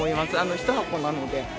１箱なので。